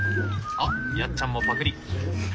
あっやっちゃんもパクリ。